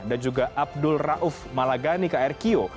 dan juga abdul rauf malagani krkio